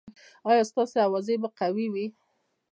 ایا ستاسو اوږې به قوي وي؟